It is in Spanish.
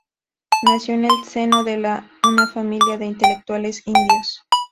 Nació en el seno de una familia de intelectuales indios.